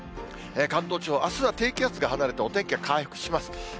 関東地方、あすは低気圧が離れて、お天気は回復します。